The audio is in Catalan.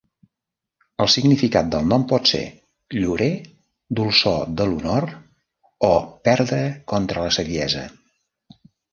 El significat del nom pot ser "llorer", "dolçor de l'honor" o "perdre contra la saviesa".